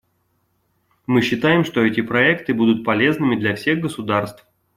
Мы считаем, что эти проекты будут полезными для всех государств.